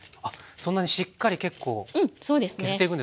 そんなにしっかり結構削っていくんですね。